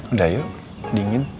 udah yuk dingin